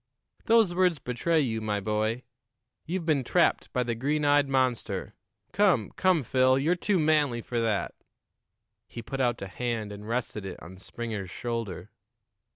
"Those words betray you, my boy. You've been trapped by the green eyed monster. Come, come, Phil, you're too manly for that." He put out a hand and rested it on Springer's shoulder.